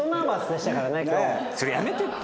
それやめてって。